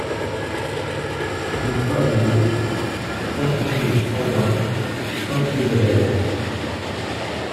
Rue Paviot, trente-huit mille cent vingt Saint-Égrève